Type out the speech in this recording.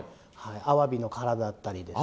アワビの殻だったりですね。